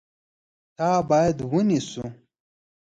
تا باید ونیسو !